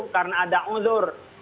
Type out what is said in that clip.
karena ada unzur